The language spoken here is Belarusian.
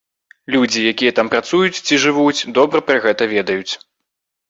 Людзі, якія там працуюць ці жывуць, добра пра гэта ведаюць.